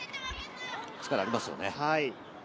力がありますよね。